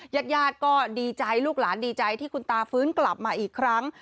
ญาติญาติก็ดีใจลูกหลานดีใจที่คุณตาฟื้นกลับมาอีกครั้ง